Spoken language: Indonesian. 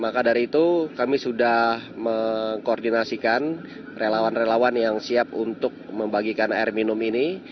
maka dari itu kami sudah mengkoordinasikan relawan relawan yang siap untuk membagikan air minum ini